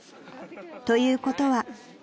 ［ということは］